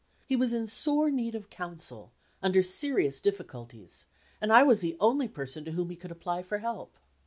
He was in sore need of counsel, under serious difficulties; and I was the only person to whom he could apply for help.